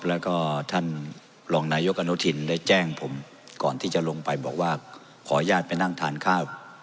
แล้วก็ท่านรองนายกอนุทินได้แจ้งผมก่อนที่จะลงไปบอกว่าขออนุญาตไปนั่งทานข้าว